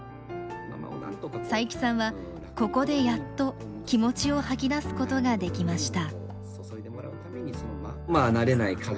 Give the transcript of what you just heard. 佐伯さんはここでやっと気持ちを吐き出すことができました。